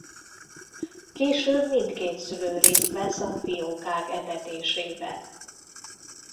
Később mindkét szülő részt vesz a fiókák etetésében.